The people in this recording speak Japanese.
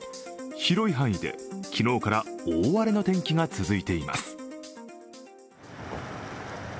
広い範囲で昨日から大荒れの天気が続いています。